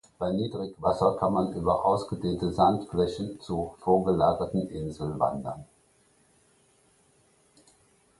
Bei Niedrigwasser kann man über ausgedehnte Sandflächen zu vorgelagerten Inseln wandern.